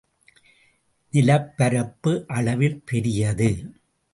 நிலப்பரப்பு அளவில் பெரியது.